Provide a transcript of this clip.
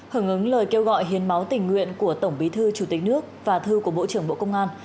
hưởng ứng lời kêu gọi hiến máu tình nguyện của tổng bí thư chủ tịch nước và thư của bộ trưởng bộ công an